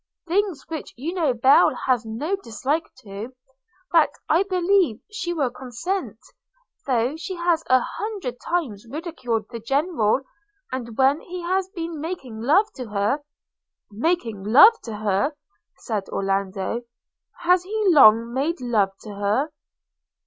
things which you know Belle has no dislike to, that I believe she will consent, though she has a hundred times ridiculed the General; and when he has been making love to her –' 'Making love to her!' said Orlando; 'has he long made love to her?'